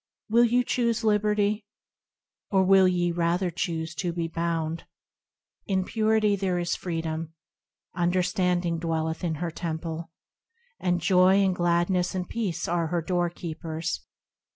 Will you choose liberty ? Or will ye rather choose to be bound ? In Purity there is freedom, Understanding dwelleth in her Temple, And joy, and Gladness, and Peace are her doorkeepers.